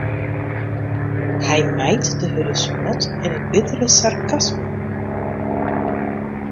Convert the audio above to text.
Hy mijt de hurde spot en it bittere sarkasme.